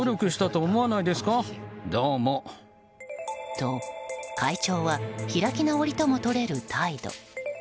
と、会長は開き直りともとれる態度。